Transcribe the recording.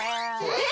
え！？